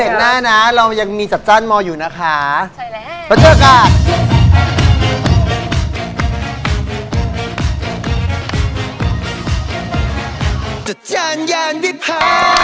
ทุกคนเลยนะวันนี้มากันเยอะมากแล้วครบทุกรถจริงนะ